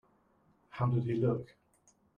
How did he look?